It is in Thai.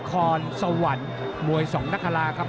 เจ็กสีแดงเจ็กสีแดงเจ็กสีแดง